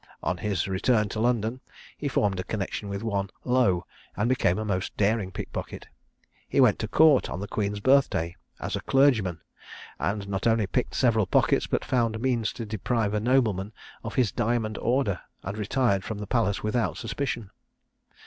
On his return to London he formed a connexion with one Lowe, and became a most daring pickpocket. He went to court on the queen's birthday, as a clergyman, and not only picked several pockets, but found means to deprive a nobleman of his diamond order, and retired from the palace without suspicion.